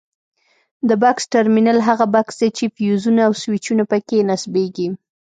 د بکس ټرمینل هغه بکس دی چې فیوزونه او سویچونه پکې نصبیږي.